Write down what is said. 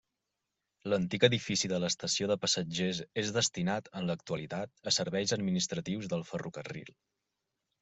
L'antic edifici de l'estació de passatgers és destinat, en l'actualitat, a serveis administratius del ferrocarril.